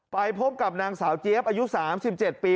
ไปพบกับนางสาวเจี๊ยบอายุ๓๗ปี